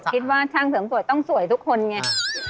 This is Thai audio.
คิดว่าช่างเสริมสวยต้องสวยทุกคนไง